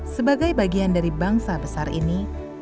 sebagai bagian dari bangsa besar ini